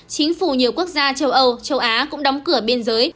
chính phủ nhiều quốc gia châu âu châu á cũng đóng cửa biên giới